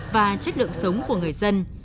và chất lượng sống của người dân